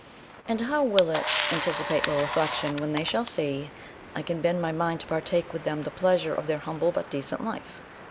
And how will it anticipate low reflection, when they shall see, I can bend my mind to partake with them the pleasure of their humble but decent life?